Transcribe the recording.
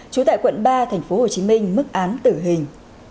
trú tại quận ba tp hcm mức án tử hình